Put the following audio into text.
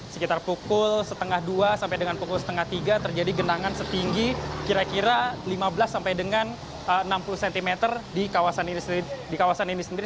sekitar pukul setengah dua sampai dengan pukul setengah tiga terjadi genangan setinggi kira kira lima belas sampai dengan enam puluh cm di kawasan ini sendiri